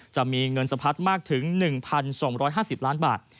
จะมีเงินสะพัดมากถึง๑๒๕๐ล้านบาท